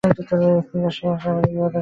“নিরাশয় আশা বাড়ে বিপদে অভয়